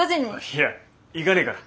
いや行かねえから。